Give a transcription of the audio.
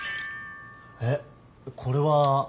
えっこれは。